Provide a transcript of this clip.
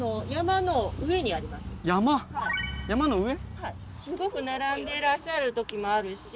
すごく並んでらっしゃる時もあるし。